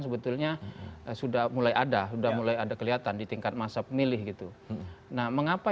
sebetulnya sudah mulai ada sudah mulai ada kelihatan di tingkat masa pemilih gitu nah mengapa